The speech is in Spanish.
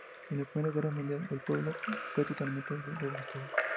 En la Primera Guerra Mundial el pueblo fue totalmente devastado.